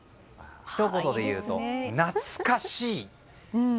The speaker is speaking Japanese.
ひと言で言うと懐かしい。